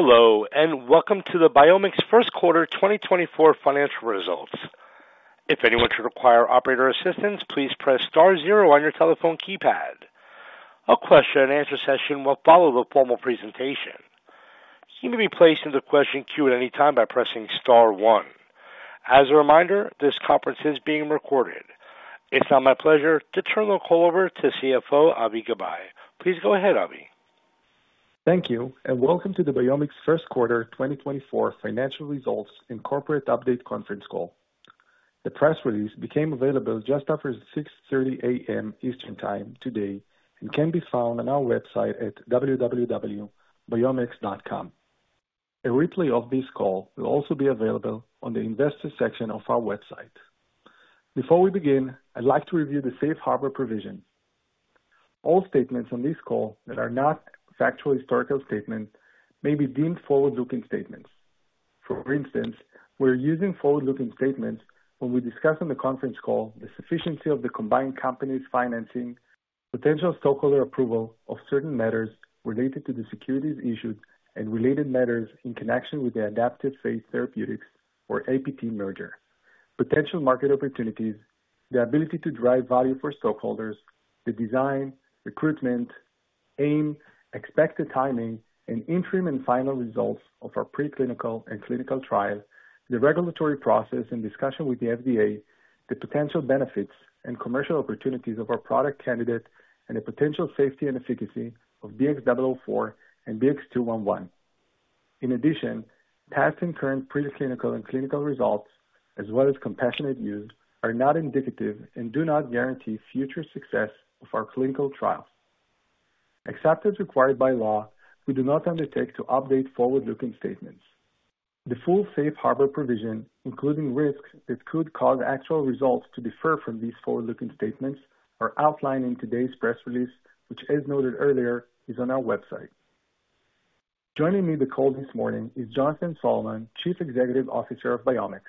Hello, and Welcome to the BiomX First Quarter 2024 Financial Results. If anyone should require operator assistance, please press star zero on your telephone keypad. A question-and-answer session will follow the formal presentation. You may be placed into the question queue at any time by pressing star one. As a reminder, this conference is being recorded. It's now my pleasure to turn the call over to CFO, Avi Gabay. Please go ahead, Avi. Thank you, and Welcome to the BiomX First Quarter 2024 Financial Results and Corporate Update Conference Call. The press release became available just after 6:30 A.M. Eastern Time today and can be found on our website at www.biomx.com. A replay of this call will also be available on the investor section of our website. Before we begin, I'd like to review the Safe Harbor provision. All statements on this call that are not factual historical statements may be deemed forward-looking statements. For instance, we're using forward-looking statements when we discuss on the conference call the sufficiency of the combined companies' financing, potential stockholder approval of certain matters related to the securities issued and related matters in connection with the Adaptive Phage Therapeutics, or APT, merger. Potential market opportunities, the ability to drive value for stockholders, the design, recruitment, aim, expected timing, and interim and final results of our preclinical and clinical trial, the regulatory process in discussion with the FDA, the potential benefits and commercial opportunities of our product candidate, and the potential safety and efficacy of BX004 and BX211. In addition, past and current preclinical and clinical results, as well as compassionate use, are not indicative and do not guarantee future success of our clinical trials. Except as required by law, we do not undertake to update forward-looking statements. The full Safe Harbor provision, including risks that could cause actual results to differ from these forward-looking statements, are outlined in today's press release, which, as noted earlier, is on our website. Joining me on the call this morning is Jonathan Solomon, Chief Executive Officer of BiomX.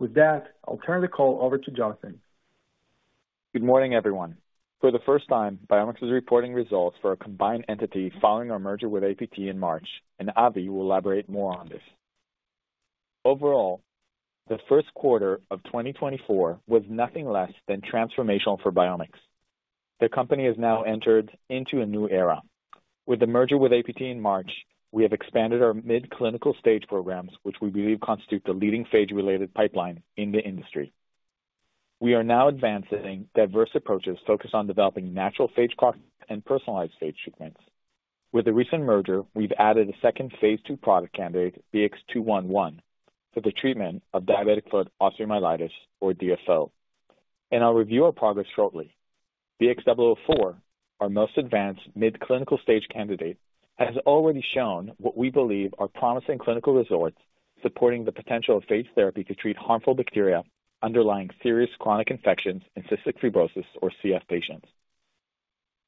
With that, I'll turn the call over to Jonathan. Good morning, everyone. For the first time, BiomX is reporting results for a combined entity following our merger with APT in March, and Avi will elaborate more on this. Overall, the first quarter of 2024 was nothing less than transformational for BiomX. The company has now entered into a new era. With the merger with APT in March, we have expanded our mid-clinical stage programs, which we believe constitute the leading phage-related pipeline in the industry. We are now advancing diverse approaches focused on developing natural phage cocktail and personalized phage treatments. With the recent merger, we've added a second phase II product candidate, BX211, for the treatment of diabetic foot osteomyelitis, or DFO, and I'll review our progress shortly. BX004, our most advanced mid-clinical stage candidate, has already shown what we believe are promising clinical results, supporting the potential of phage therapy to treat harmful bacteria underlying serious chronic infections in cystic fibrosis, or CF, patients.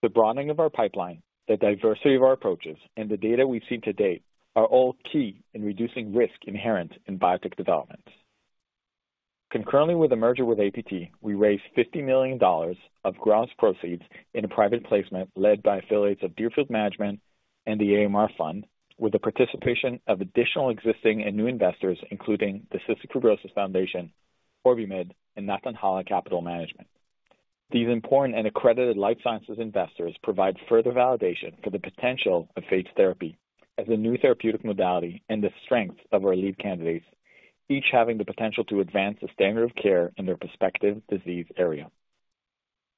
The broadening of our pipeline, the diversity of our approaches, and the data we've seen to date are all key in reducing risk inherent in biotech development. Concurrently with the merger with APT, we raised $50 million of gross proceeds in a private placement led by affiliates of Deerfield Management and the AMR Action Fund, with the participation of additional existing and new investors, including the Cystic Fibrosis Foundation, OrbiMed, and Nantahala Capital Management. These important and accredited life sciences investors provide further validation for the potential of phage therapy as a new therapeutic modality and the strength of our lead candidates, each having the potential to advance the standard of care in their prospective disease area.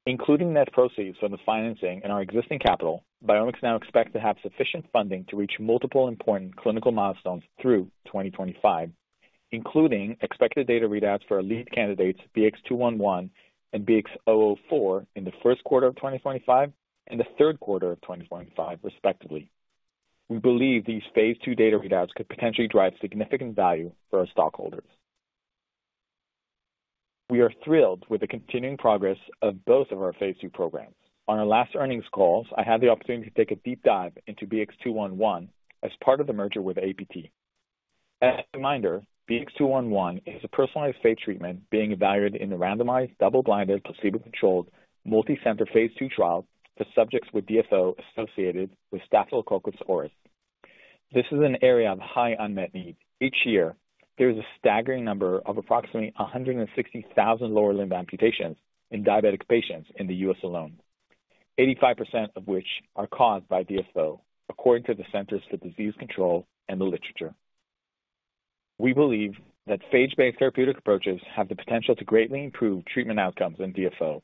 Including net proceeds from the financing in our existing capital, BiomX now expect to have sufficient funding to reach multiple important clinical milestones through 2025, including expected data readouts for our lead candidates, BX211 and BX004, in the first quarter of 2025 and the third quarter of 2025, respectively. We believe these phase II data readouts could potentially drive significant value for our stockholders. We are thrilled with the continuing progress of both of our phase II programs. On our last earnings calls, I had the opportunity to take a deep dive into BX211 as part of the merger with APT. As a reminder, BX211 is a personalized phage treatment being evaluated in the randomized, double-blinded, placebo-controlled, multicenter phase II trial for subjects with DFO associated with Staphylococcus aureus. This is an area of high unmet need. Each year, there is a staggering number of approximately 160,000 lower limb amputations in diabetic patients in the US alone, 85% of which are caused by DFO, according to the Centers for Disease Control and the literature. We believe that phage-based therapeutic approaches have the potential to greatly improve treatment outcomes in DFO.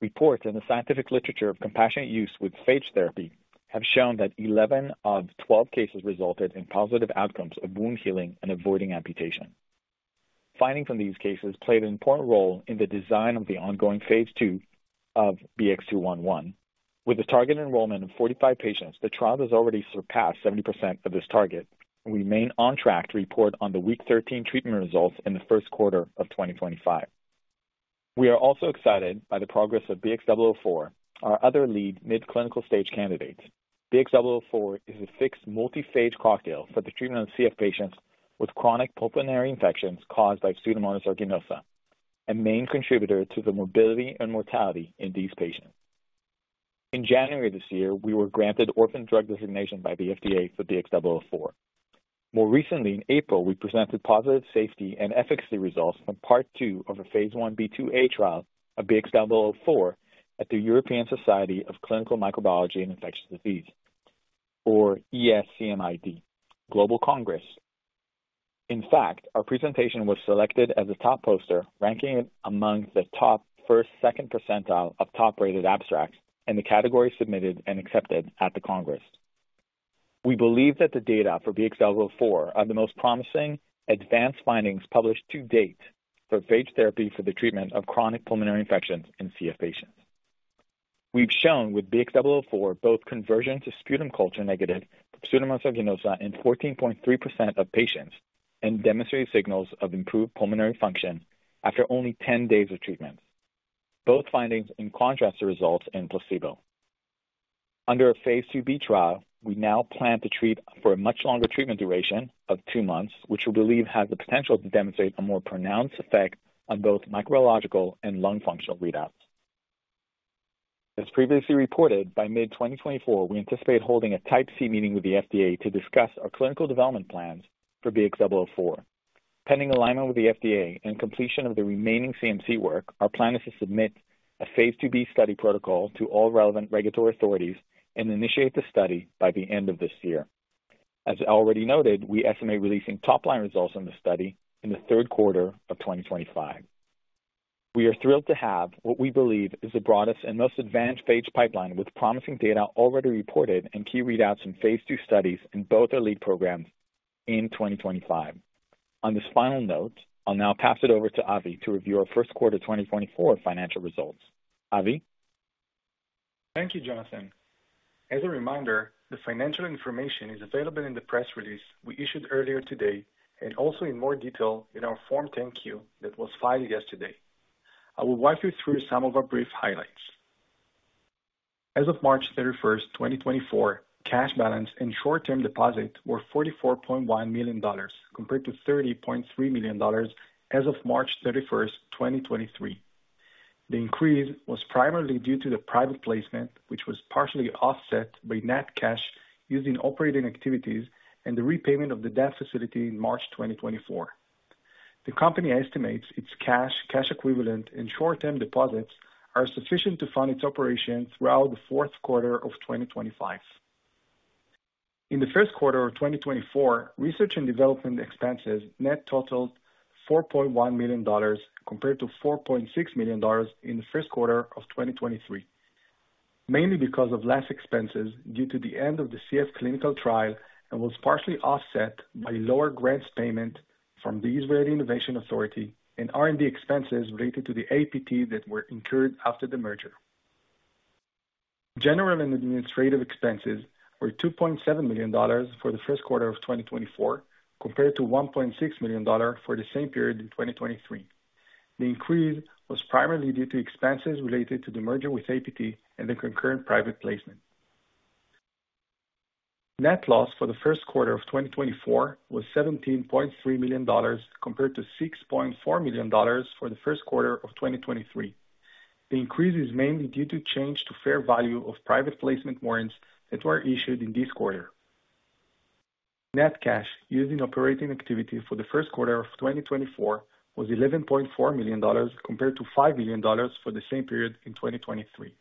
Reports in the scientific literature of compassionate use with phage therapy have shown that 11 of 12 cases resulted in positive outcomes of wound healing and avoiding amputation. Findings from these cases played an important role in the design of the ongoing phase II of BX211. With a target enrollment of 45 patients, the trial has already surpassed 70% of this target and remain on track to report on the week 13 treatment results in the first quarter of 2025. We are also excited by the progress of BX004, our other lead mid-clinical stage candidate. BX004 is a fixed multi-phage cocktail for the treatment of CF patients with chronic pulmonary infections caused by Pseudomonas aeruginosa, a main contributor to the morbidity and mortality in these patients. In January of this year, we were granted orphan drug designation by the FDA for BX004. More recently, in April, we presented positive safety and efficacy results from part 2 of a phase I-B/II-A trial of BX004 at the European Society of Clinical Microbiology and Infectious Diseases, or ESCMID Global Congress. In fact, our presentation was selected as a top poster, ranking it among the top 1-2 percentile of top-rated abstracts in the category submitted and accepted at the Congress. We believe that the data for BX004 are the most promising advanced findings published to date for phage therapy for the treatment of chronic pulmonary infections in CF patients. We've shown with BX004 both conversion to sputum culture, negative Pseudomonas aeruginosa in 14.3% of patients, and demonstrated signals of improved pulmonary function after only 10 days of treatment, both findings in contrast to results in placebo. Under a phase II-B trial, we now plan to treat for a much longer treatment duration of two months, which we believe has the potential to demonstrate a more pronounced effect on both microbiological and lung functional readouts. As previously reported, by mid-2024, we anticipate holding a Type C meeting with the FDA to discuss our clinical development plans for BX004. Pending alignment with the FDA and completion of the remaining CMC work, our plan is to submit a phase II-B study protocol to all relevant regulatory authorities and initiate the study by the end of this year. As already noted, we estimate releasing top line results on the study in the third quarter of 2025. We are thrilled to have what we believe is the broadest and most advanced phage pipeline, with promising data already reported and key readouts in phase II studies in both our lead programs in 2025. On this final note, I'll now pass it over to Avi to review our first quarter 2024 financial results. Avi? Thank you, Jonathan. As a reminder, the financial information is available in the press release we issued earlier today and also in more detail in our Form 10-Q that was filed yesterday. I will walk you through some of our brief highlights. As of March 31, 2024, cash balance and short-term deposits were $44.1 million, compared to $30.3 million as of March 31, 2023. The increase was primarily due to the private placement, which was partially offset by net cash used in operating activities and the repayment of the debt facility in March 2024. The company estimates its cash, cash equivalents and short-term deposits are sufficient to fund its operations throughout the fourth quarter of 2025. In the first quarter of 2024, research and development expenses net totaled $4.1 million, compared to $4.6 million in the first quarter of 2023, mainly because of less expenses due to the end of the CF clinical trial and was partially offset by lower grants payment from the Israel Innovation Authority and R&D expenses related to the APT that were incurred after the merger. General and administrative expenses were $2.7 million for the first quarter of 2024, compared to $1.6 million for the same period in 2023. The increase was primarily due to expenses related to the merger with APT and the concurrent private placement. Net loss for the first quarter of 2024 was $17.3 million, compared to $6.4 million for the first quarter of 2023. The increase is mainly due to change to fair value of private placement warrants that were issued in this quarter. Net cash using operating activity for the first quarter of 2024 was $11.4 million, compared to $5 million for the same period in 2023.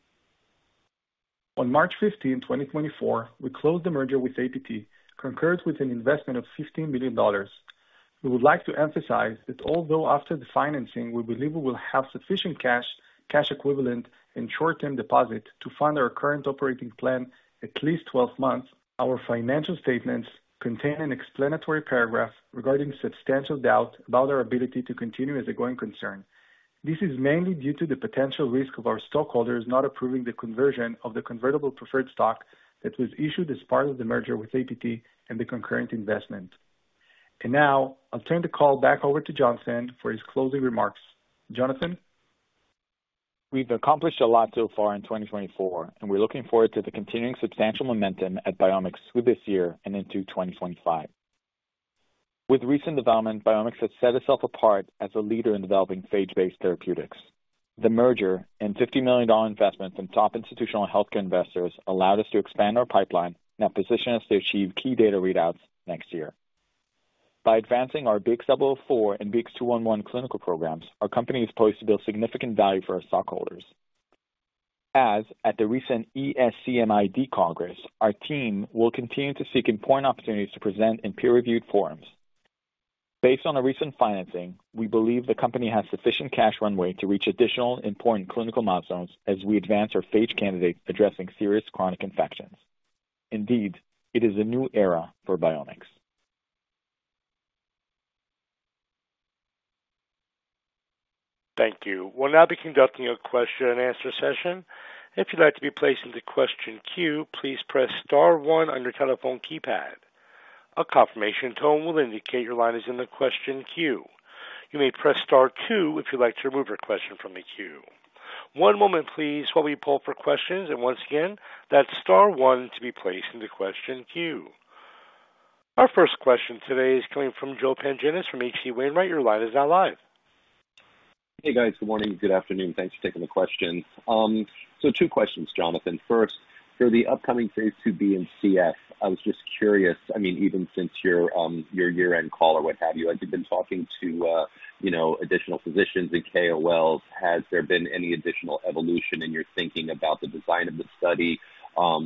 On March 15, 2024, we closed the merger with APT, concurrent with an investment of $15 million. We would like to emphasize that although after the financing, we believe we will have sufficient cash, cash equivalent and short-term deposits to fund our current operating plan at least 12 months, our financial statements contain an explanatory paragraph regarding substantial doubt about our ability to continue as a going concern. This is mainly due to the potential risk of our stockholders not approving the conversion of the convertible preferred stock that was issued as part of the merger with APT and the concurrent investment. Now I'll turn the call back over to Jonathan for his closing remarks. Jonathan? We've accomplished a lot so far in 2024, and we're looking forward to the continuing substantial momentum at BiomX through this year and into 2025. With recent development, BiomX has set itself apart as a leader in developing phage-based therapeutics. The merger and $50 million investment from top institutional healthcare investors allowed us to expand our pipeline and position us to achieve key data readouts next year. By advancing our BX004 and BX211 clinical programs, our company is poised to build significant value for our stockholders. As at the recent ESCMID Congress, our team will continue to seek important opportunities to present in peer-reviewed forums. Based on the recent financing, we believe the company has sufficient cash runway to reach additional important clinical milestones as we advance our phage candidates addressing serious chronic infections. Indeed, it is a new era for BiomX. Thank you. We'll now be conducting a question and answer session. If you'd like to be placed into question queue, please press star one on your telephone keypad. A confirmation tone will indicate your line is in the question queue. You may press star two if you'd like to remove your question from the queue. One moment please while we pull for questions, and once again, that's star one to be placed in the question queue. Our first question today is coming from Joe Pantginis from H.C. Wainwright. Your line is now live. Hey, guys. Good morning, good afternoon. Thanks for taking the questions. So two questions, Jonathan. First, for the upcoming Phase II-B and CF, I was just curious. I mean, even since your year-end call or what have you, as you've been talking to, you know, additional physicians and KOLs, has there been any additional evolution in your thinking about the design of the study,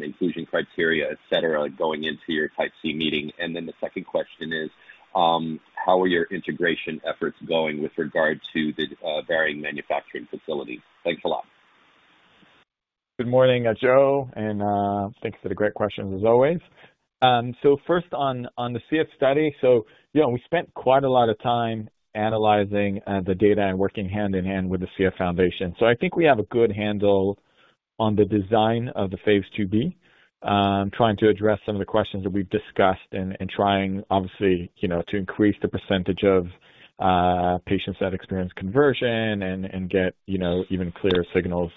inclusion criteria, et cetera, going into your Type C meeting? And then the second question is, how are your integration efforts going with regard to the varying manufacturing facilities? Thanks a lot. Good morning, Joe, and thanks for the great questions as always. So first on the CF study. So, you know, we spent quite a lot of time analyzing the data and working hand in hand with the CF Foundation. So I think we have a good handle on the design of the Phase II-B, trying to address some of the questions that we've discussed and trying, obviously, you know, to increase the percentage of patients that experience conversion and get, you know, even clearer signals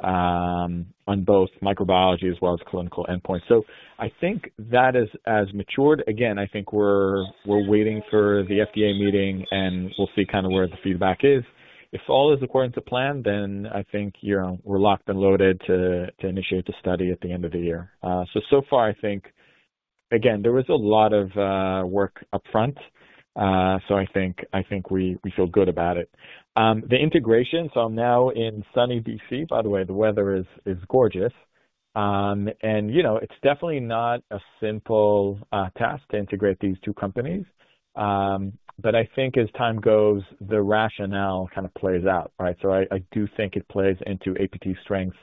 on both microbiology as well as clinical endpoints. So I think that as has matured, again, I think we're waiting for the FDA meeting, and we'll see kind of where the feedback is. If all is according to plan, then I think, you know, we're locked and loaded to initiate the study at the end of the year. So far, I think, again, there was a lot of work upfront, so I think we feel good about it. The integration, so I'm now in sunny D.C., by the way, the weather is gorgeous. And, you know, it's definitely not a simple task to integrate these two companies. But I think as time goes, the rationale kind of plays out, right? So I do think it plays into APT's strength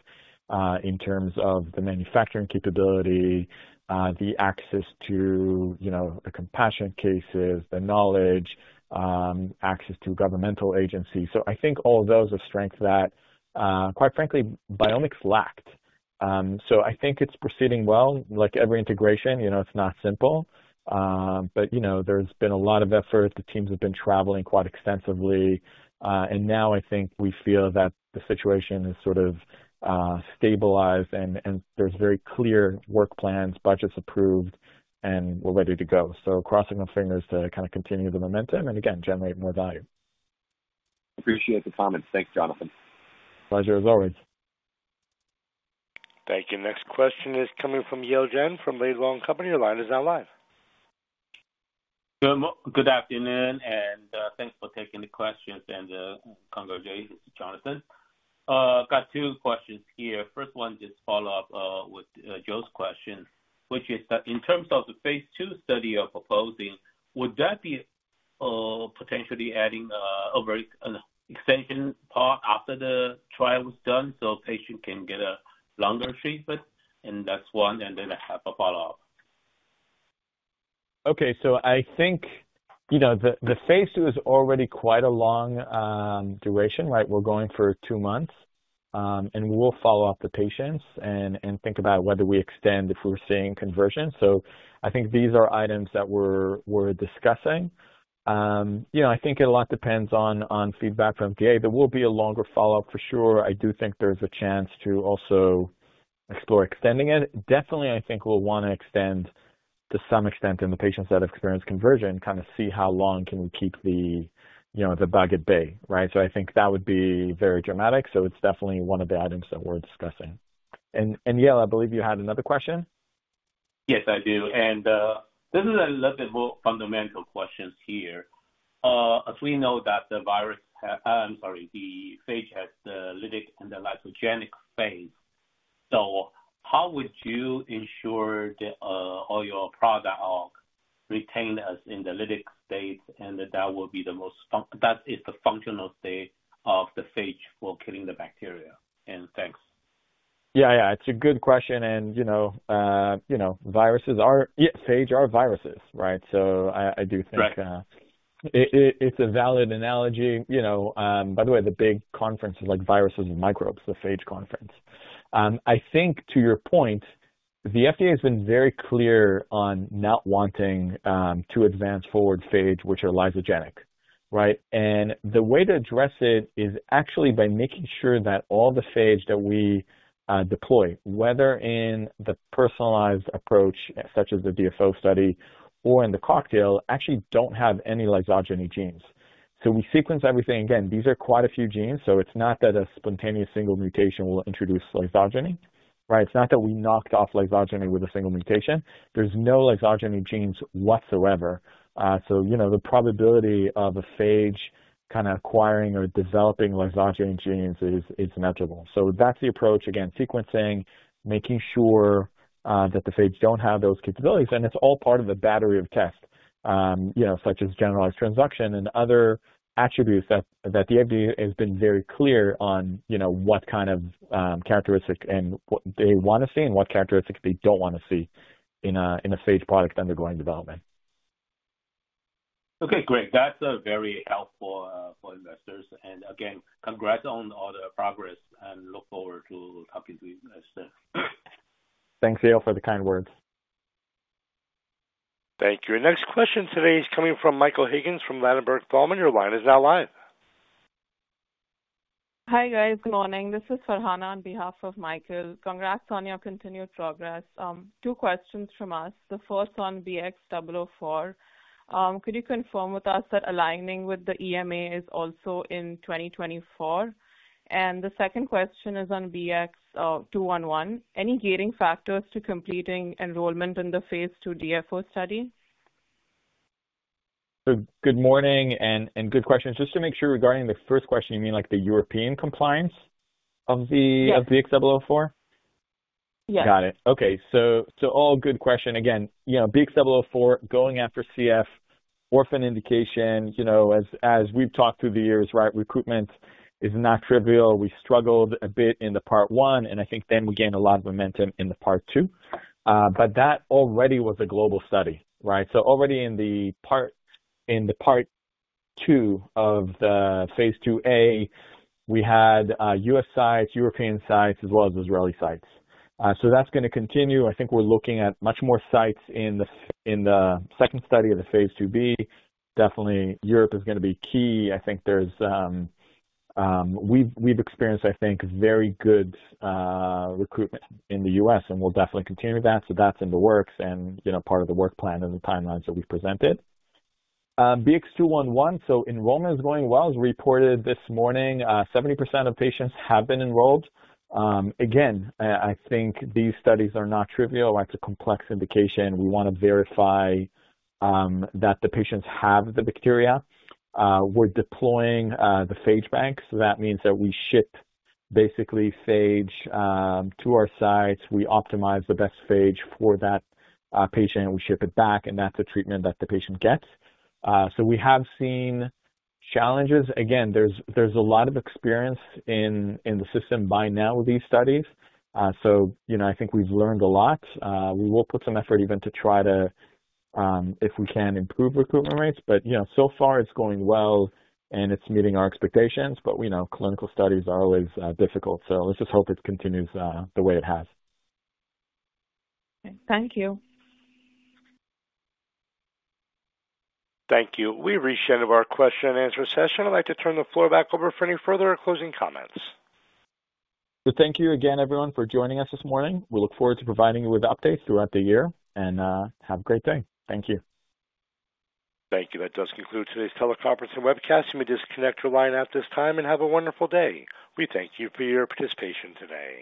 in terms of the manufacturing capability, the access to, you know, the compassionate cases, the knowledge, access to governmental agencies. So I think all of those are strengths that, quite frankly, BiomX lacked. So I think it's proceeding well. Like every integration, you know, it's not simple. But you know, there's been a lot of effort. The teams have been traveling quite extensively. And now I think we feel that the situation is sort of stabilized and there's very clear work plans, budgets approved, and we're ready to go. So crossing our fingers to kind of continue the momentum and again, generate more value. Appreciate the comment. Thanks, Jonathan. Pleasure as always. Thank you. Next question is coming from Yale Jen from Laidlaw & Company. Your line is now live. Good afternoon, and thanks for taking the questions, and congratulations, Jonathan. Got two questions here. First one, just follow up with Joe's question, which is that in terms of the phase II study you're proposing, would that be potentially adding over an extension part after the trial is done so patient can get a longer treatment? And that's one, and then I have a follow-up. Okay. So I think, you know, the phase II is already quite a long duration, right? We're going for 2 months. And we will follow up with the patients and think about whether we extend if we're seeing conversion. So I think these are items that we're discussing. You know, I think a lot depends on feedback from FDA. There will be a longer follow-up for sure. I do think there's a chance to also explore extending it. Definitely, I think we'll want to extend to some extent in the patients that have experienced conversion, kind of see how long can we keep the, you know, the bug at bay, right? So I think that would be very dramatic. So it's definitely one of the items that we're discussing. And Yale, I believe you had another question? Yes, I do, and this is a little bit more fundamental questions here. As we know that the phage has the lytic and the lysogenic phase. So how would you ensure that all your product are retained as in the lytic state, and that is the functional state of the phage for killing the bacteria? And thanks. Yeah, yeah, it's a good question, and, you know, you know, viruses are, yeah, phage are viruses, right? So I, I do think- Right. It's a valid analogy, you know, by the way, the big conference is, like, viruses and microbes, the phage conference. I think to your point, the FDA has been very clear on not wanting to advance forward phage, which are lysogenic, right? And the way to address it is actually by making sure that all the phage that we deploy, whether in the personalized approach, such as the DFO study or in the cocktail, actually don't have any lysogeny genes. So we sequence everything. Again, these are quite a few genes, so it's not that a spontaneous single mutation will introduce lysogeny, right? It's not that we knocked off lysogeny with a single mutation. There's no lysogeny genes whatsoever. So you know, the probability of a phage kind of acquiring or developing lysogeny genes is negligible. So that's the approach. Again, sequencing, making sure that the phage don't have those capabilities, and it's all part of a battery of tests, you know, such as generalized transduction and other attributes that the FDA has been very clear on, you know, what kind of characteristics and what they want to see and what characteristics they don't want to see in a phage product undergoing development. Okay, great. That's very helpful for investors. And again, congrats on all the progress and look forward to talking to you guys soon. Thanks, Yale, for the kind words. Thank you. Next question today is coming from Michael Higgins from Ladenburg Thalmann. Your line is now live. Hi, guys. Good morning. This is Farhana on behalf of Michael. Congrats on your continued progress. Two questions from us. The first on BX004. Could you confirm with us that aligning with the EMA is also in 2024? And the second question is on BX211. Any gating factors to completing enrollment in the phase II DFO study? Good morning and, and good questions. Just to make sure, regarding the first question, you mean, like, the European compliance of the- Yes. -of the BX004? Yes. Got it. Okay. So, so all good question again, you know, BX004, going after CF orphan indication, you know, as, as we've talked through the years, right? Recruitment is not trivial. We struggled a bit in the part one, and I think then we gained a lot of momentum in the part two. But that already was a global study, right? So already in the part two of the phase II-A, we had U.S. sites, European sites, as well as Israeli sites. So that's gonna continue. I think we're looking at much more sites in the second study of the phase II-B. Definitely Europe is gonna be key. I think there's... We've experienced, I think, very good recruitment in the U.S., and we'll definitely continue that. So that's in the works and, you know, part of the work plan and the timelines that we've presented. BX211, so enrollment is going well. As reported this morning, 70% of patients have been enrolled. Again, I think these studies are not trivial. It's a complex indication. We wanna verify that the patients have the bacteria. We're deploying the phage bank, so that means that we ship basically phage to our sites. We optimize the best phage for that patient, and we ship it back, and that's the treatment that the patient gets. So we have seen challenges. Again, there's a lot of experience in the system by now with these studies. So you know, I think we've learned a lot. We will put some effort even to try to, if we can, improve recruitment rates. But, you know, so far it's going well, and it's meeting our expectations. But we know clinical studies are always difficult, so let's just hope it continues the way it has. Thank you. Thank you. We've reached the end of our question and answer session. I'd like to turn the floor back over for any further closing comments. Thank you again, everyone, for joining us this morning. We look forward to providing you with updates throughout the year, and have a great day. Thank you. Thank you. That does conclude today's teleconference and webcast. You may disconnect your line at this time and have a wonderful day. We thank you for your participation today.